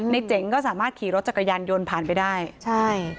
เจ๋งก็สามารถขี่รถจักรยานยนต์ผ่านไปได้ใช่